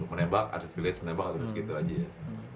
menebak artis village menebak terus gitu aja ya